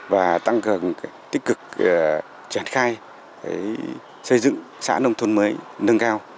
và tăng cường tích cực triển khai xây dựng xã nông thôn mới nâng cao